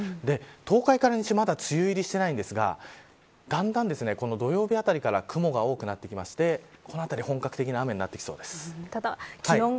東海から西、まだ梅雨入りしていませんが、だんだん土曜日あたりから雲が多くなってきましてこのあたり本格的な雨になってきそうです。